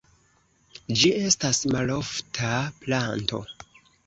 Ĝi estas malofta planto.